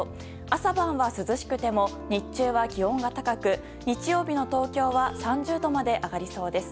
朝晩は涼しくても日中は気温が高く日曜日の東京は３０度まで上がりそうです。